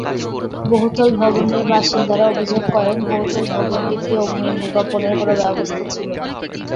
বহুতল ভবনের বাসিন্দারা অভিযোগ করেন, বহুতল ভবনটিতে অগ্নিনির্বাপণের কোনো ব্যবস্থা ছিল না।